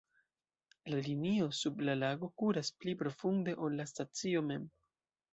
La linio sub la lago kuras pli profunde, ol la stacio mem.